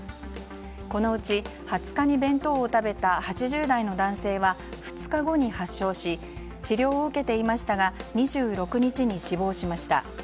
このうち２０日に弁当を食べた８０代の男性は２日後に発症し治療を受けていましたが２６日に死亡しました。